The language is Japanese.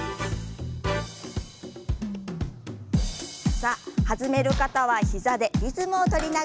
さあ弾める方は膝でリズムを取りながら。